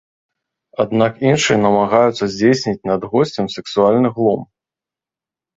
Аднак іншыя намагаюцца здзейсніць над госцем сексуальны глум.